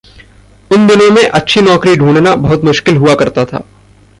उन दिनों में अच्छी नौकरी ढूँढना बहुत मुश्किल हुआ करता था।